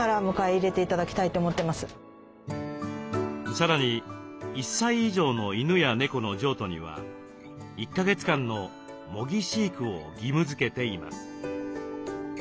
さらに１歳以上の犬や猫の譲渡には１か月間の「模擬飼育」を義務づけています。